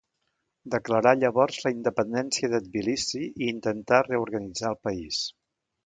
Declarà llavors la independència de Tbilisi i intentà reorganitzar el país.